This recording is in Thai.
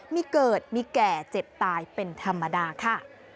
มีเกิดมีแก่เจ็บตายเป็นธรรมดาค่ะ